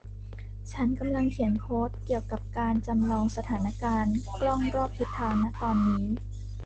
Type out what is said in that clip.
ฉันกำลังเขียนโค้ดเกี่ยวกับการจำลองสถานการณ์กล้องรอบทิศทาง ณ ตอนนี้